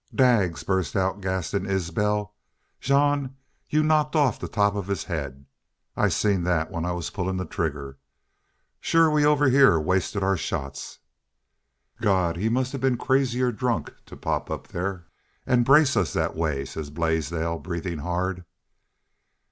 "Daggs!" burst out Gaston Isbel. "Jean, you knocked off the top of his haid. I seen that when I was pullin' trigger. Shore we over heah wasted our shots." "God! he must have been crazy or drunk to pop up there an' brace us that way," said Blaisdell, breathing hard.